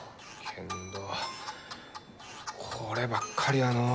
けんどこればっかりはのう。